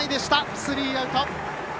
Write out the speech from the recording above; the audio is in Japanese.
スリーアウト。